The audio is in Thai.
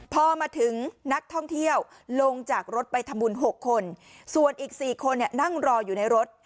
พอมาถึงนักท่องเที่ยวลงจากรถไปทำบุญ๖คนส่วนอีก๔คนนั่งรออยู่ในรถ